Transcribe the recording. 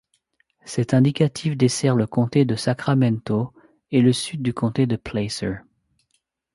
Cet indicatif dessert le comté de Sacramento et le sud du comté de Placer.